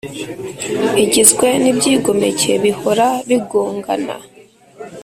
Igizwe n'ibyigomeke bihora bigongana.